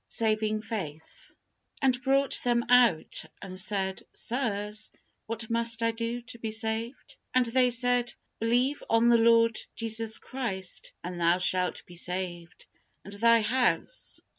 SAVING FAITH. And brought them out, and said, Sirs, what must I do to be saved? And they said, Believe on the Lord Jesus Christ, and thou shalt be saved, and thy house.